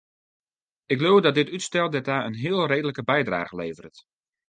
Ik leau dat dit útstel dêrta in heel reedlike bydrage leveret.